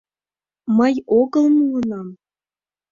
«Мый огыл муынам.